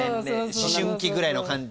思春期ぐらいの感じ。